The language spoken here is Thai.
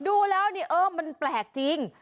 ดูแล้วนี่เออมันแปลกจริง